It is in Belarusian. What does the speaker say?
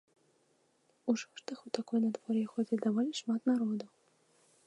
У шортах у такое надвор'е ходзяць даволі шмат народу.